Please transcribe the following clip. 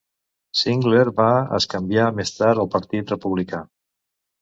Sigler va es canviar més tard al partit republicà.